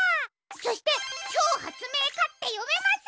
そして「ちょうはつめいか」ってよめます！